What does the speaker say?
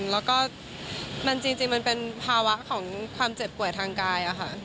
แล้วก็จริงมันเป็นภาวะของความเจ็บป่วยทางกาย